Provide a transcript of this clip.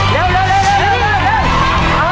เอาไปนะครับ๒ตัว